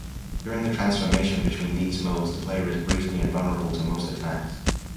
During the transformation between these modes, the player is briefly invulnerable to most attacks.